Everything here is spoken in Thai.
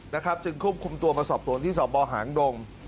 นะครับจึงคุ้มคุมตัวมาสอบตรวจที่ศบหางโรง